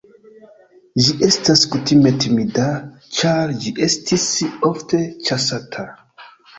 Ĝi estas kutime timida, ĉar ĝi estis ofte ĉasata.